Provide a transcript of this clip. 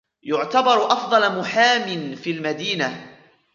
يعتبر أفضل محامي في المدينة.